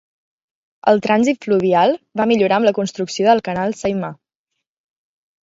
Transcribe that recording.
El trànsit fluvial va millorar amb la construcció del Canal Saimaa.